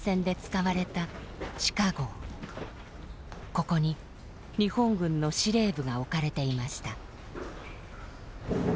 ここに日本軍の司令部が置かれていました。